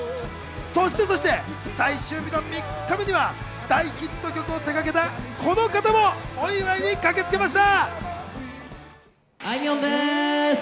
そして最終日の３日目には大ヒット曲を手がけたこの方もお祝いに駆けつけました。